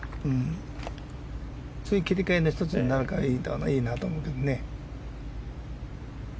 切り替えの１つになるからいいなと思うけどね。